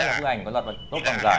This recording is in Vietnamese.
là bức ảnh có lọt vào tốt vòng giải